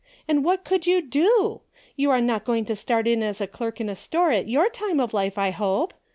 And what could you do ? You are not going to start in as a clerk in a store at your time of life, I hope.